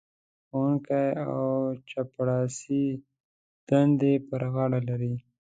ښوونکی او چپړاسي دندې پر غاړه لري.